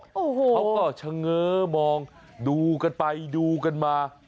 เขาก็เฉง้อมองดูกันไปดูกันมา